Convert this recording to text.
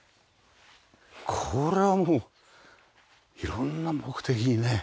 これはもう色んな目的にね。